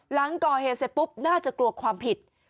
หลังก่อเหตุเสร็จปุ๊บน่าจะกลัวความผิด